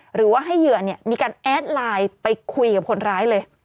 หรือว่าให้เหยื่อมีการแอดไลน์ไปคุยกับคนร้ายเลย